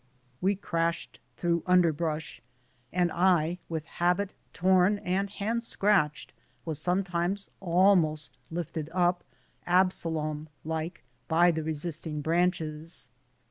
We crashed through underbrush, and I, with habit torn and hands scratched, was sometimes almost lifted up, Absalom like, by the resisting branches.